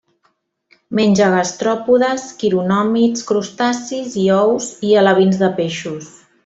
Menja gastròpodes, quironòmids, crustacis i ous i alevins de peixos.